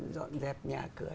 dọn dẹp nhà cửa